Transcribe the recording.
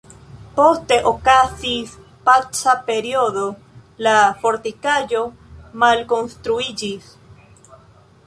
Poste okazis paca periodo, la fortikaĵo malkonstruiĝis.